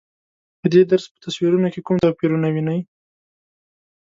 په دې درس په تصویرونو کې کوم توپیرونه وینئ؟